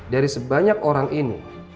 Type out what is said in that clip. dari sebanyak orang ini